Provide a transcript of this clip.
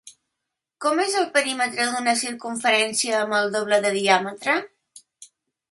Com és el perímetre d'una circumferència amb el doble de diàmetre?